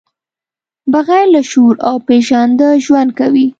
بغیر له شعور او پېژانده ژوند کوي.